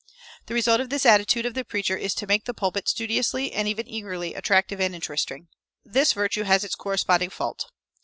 The result of this attitude of the preacher is to make the pulpit studiously, and even eagerly, attractive and interesting. This virtue has its corresponding fault.